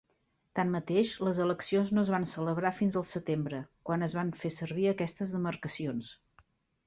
Tanmateix, les eleccions no es van celebrar fins al setembre, quan es van fer servir aquestes demarcacions.